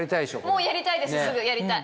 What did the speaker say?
もうやりたいです。